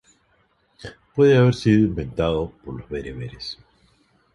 Puede haber sido inventado por los bereberes.